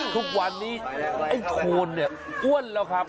ทุกวันนี้ไอ้โทนเนี่ยอ้วนแล้วครับ